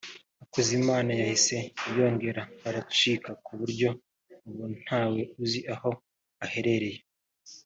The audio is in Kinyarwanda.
Hakuzimana yahise yongera aracika ku buryo ubu ntawe uzi aho aherereye